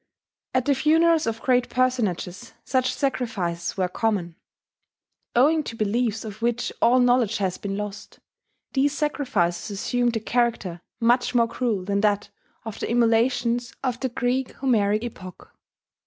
At the funerals of great personages such sacrifices were common. Owing to beliefs of which all knowledge has been lost, these sacrifices assumed a character much more cruel than that of the immolations of the Greek Homeric epoch.